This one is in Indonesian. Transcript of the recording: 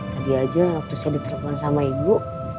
tadi aja waktu saya ditelepon sama ibu